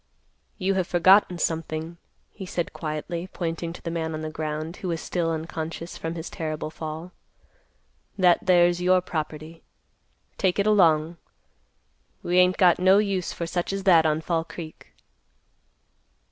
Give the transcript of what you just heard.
"You have forgotten something," he said quietly, pointing to the man on the ground, who was still unconscious from his terrible fall. "That there's your property. Take it along. We ain't got no use for such as that on Fall Creek."